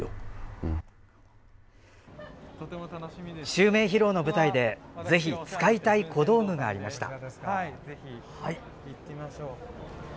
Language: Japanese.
襲名披露の舞台でぜひ使いたい小道具がありました。